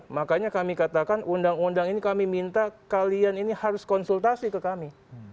makanya kami katakan undang undang ini kami minta kalian ini harus konsultasi ke kami